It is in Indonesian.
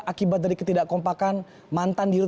akibat dari ketidak kompakan mantan dirut